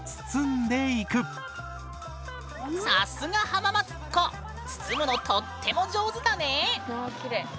さすが浜松っ子包むのとっても上手だね！